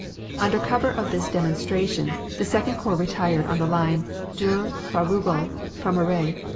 Under cover of this demonstration the Second Corps retired on the line Dour Quarouble Frameries.